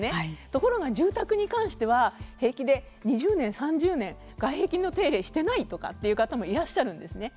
ところが、住宅に関しては平気で２０年３０年外壁の手入れをしてないという方もいらっしゃるんですよね。